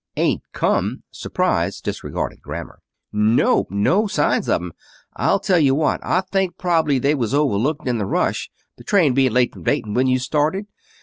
"Ain't come!" surprise disregarded grammar. "Nope. No signs of 'em. I'll tell you what: I think prob'ly they was overlooked in the rush, the train being late from Dayton when you started.